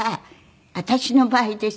私の場合ですよ。